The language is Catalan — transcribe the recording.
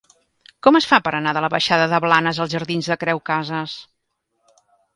Com es fa per anar de la baixada de Blanes als jardins de Creu Casas?